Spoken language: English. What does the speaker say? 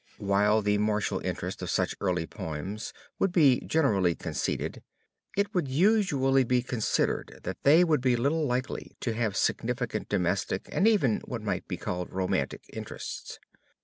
While the martial interest of such early poems would be generally conceded, it would usually be considered that they would be little likely to have significant domestic, and even what might be called romantic, interests.